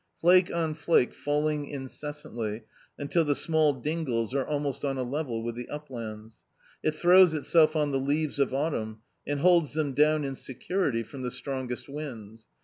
Flake on flake falling incessantly, until the small dingles are almost on a level with the uplands. It throws itself on the leaves of Autumn, and holds them down in se curity from the strongest winds.